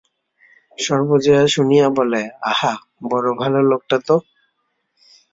সর্বজয়া শুনিয়া বলে, আহা বড় ভালো লোকটা তো!